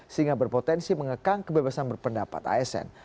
sehingga berpotensi mengekang kebebasan berpendapat asn